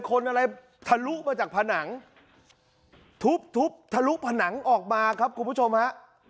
คนอะไรทะลุมาจากผนังทุบทุบทะลุผนังออกมาครับคุณผู้ชมฮะ